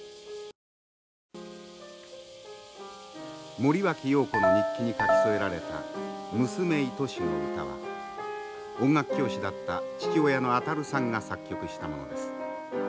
森脇瑤子の日記に書き添えられた「娘愛し」の歌は音楽教師だった父親の中さんが作曲したものです。